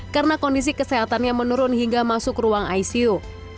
karena kondisi kesehatannya menurun hingga masuk ruang icu